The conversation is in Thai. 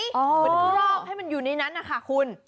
มันรอบให้มันอยู่ในนั้นคุณ